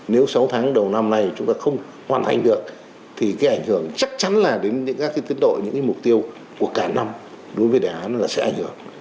nếu sáu tháng đầu năm này chúng ta không hoàn thành được thì cái ảnh hưởng chắc chắn là đến các tiến đội những cái mục tiêu của cả năm đối với đề án là sẽ ảnh hưởng